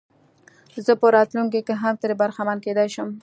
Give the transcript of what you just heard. زه په راتلونکي کې هم ترې برخمن کېدلای شم.